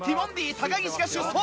高岸が出走！